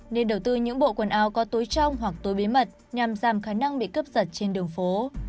nên đầu tư những bộ quần áo có túi trong hoặc tối bí mật nhằm giảm khả năng bị cướp giật trên đường phố